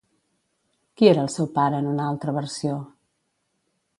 Qui era el seu pare, en una altra versió?